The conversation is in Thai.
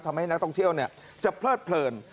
ทำให้นักท่องเที่ยวจะเพลิดเพลิน